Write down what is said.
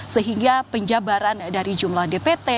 sehingga penjabaran dari jumlah dpt